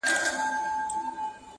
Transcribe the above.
o مرگ هم ډيرو ته پرده ده!